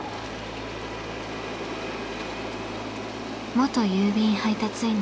元郵便配達員の與